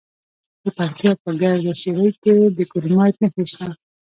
د پکتیا په ګرده څیړۍ کې د کرومایټ نښې شته.